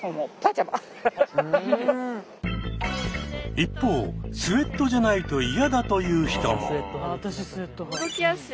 一方スウェットじゃないと嫌だという人も。